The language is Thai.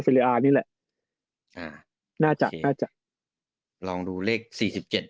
ฟิลเลอร์นี่แหละเหล่ะน่าจะน่าจะลองดูเลขสี่สิบเห็น